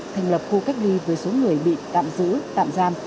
thành lập khu cách ly với số người bị tạm giữ tạm giam